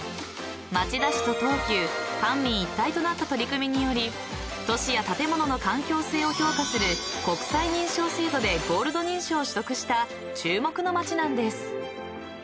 ［町田市と東急官民一体となった取り組みにより都市や建物の環境性を評価する国際認証制度でゴールド認証を取得した注目の街なんです］